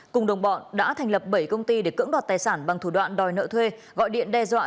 cùng đồng bọn đã thành lập bảy công ty để cưỡng đoạt tài sản bằng thủ đoạn đòi nợ thuê gọi điện đe dọa